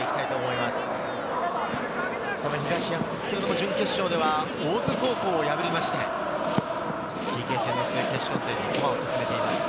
その東山、準決勝では大津高校破りましてＰＫ戦の末、決勝戦に駒を進めています。